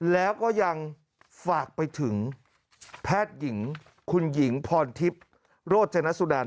แล้วก็ยังฝากไปถึงแพทย์หญิงคุณหญิงพรทิพย์โรจนสุดัน